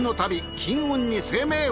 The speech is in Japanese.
金運に生命運。